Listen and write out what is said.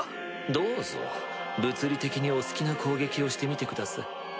どうぞ物理的にお好きな攻撃をしてみてください。